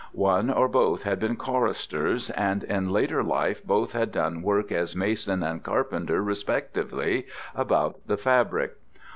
One or both had been choristers, and in later life both had done work as mason and carpenter respectively about the fabric.